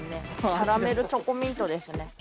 キャラメルチョコミントですね。